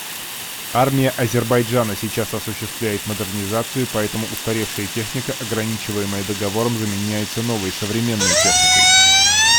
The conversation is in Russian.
Армия Азербайджана сейчас осуществляет модернизацию, поэтому устаревшая техника, ограничиваемая Договором, заменяется новой, современной техникой.